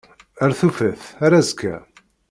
Ar tufat. Ar azekka.